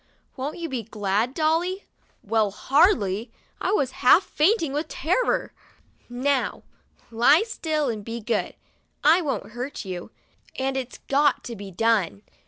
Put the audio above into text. Won't you be glad, Dolly?" Well, hardly! I was half fainting with terror. 'Now, lie still and be good! I won't hurt you, and it's got to be done."